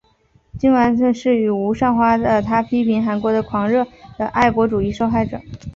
金完燮是与吴善花的他批评韩国的狂热的爱国主义受害者。